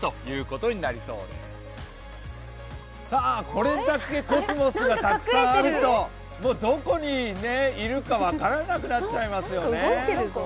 これだけコスモスがたくさんあるとどこにいるか分からなくなっちゃいますよね。